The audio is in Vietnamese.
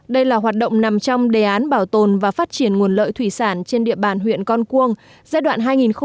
đây là hoạt động nằm trong đề án bảo tồn và phát triển nguồn lợi thủy sản trên địa bàn huyện con cuông giai đoạn hai nghìn một mươi sáu hai nghìn hai mươi